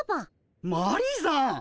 マリーさん！